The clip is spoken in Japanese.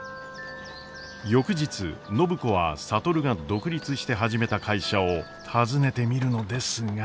翌日暢子は智が独立して始めた会社を訪ねてみるのですが。